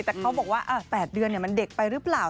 แต่เขาบอกว่า๘เดือนเนี่ยมันเด็กไปรึเปล่า